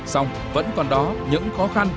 xong vẫn còn đó những khó khăn